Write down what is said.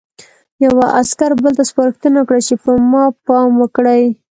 یوه عسکر بل ته سپارښتنه وکړه چې په ما پام وکړي